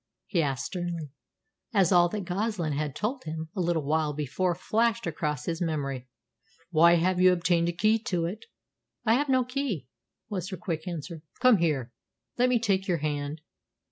he asked sternly, as all that Goslin had told him a little while before flashed across his memory. "Why have you obtained a key to it?" "I have no key," was her quick answer. "Come here," he said. "Let me take your hand."